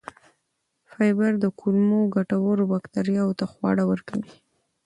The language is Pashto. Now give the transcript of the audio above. فایبر د کولمو ګټورو بکتریاوو ته خواړه ورکوي.